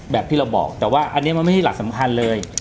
แบบที่เราบอกแต่ว่าอันนี้มันไม่ใช่หลักสำคัญเลย